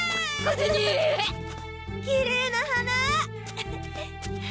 きれいな花！